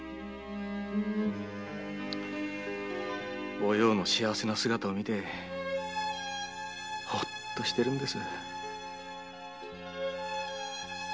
おようの幸せな姿を見てホッとしてるんです。